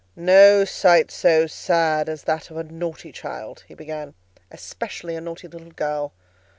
"No sight so sad as that of a naughty child," he began, "especially a naughty little girl.